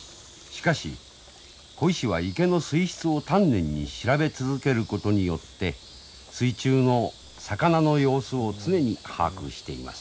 しかし鯉師は池の水質を丹念に調べ続けることによって水中の魚の様子を常に把握しています。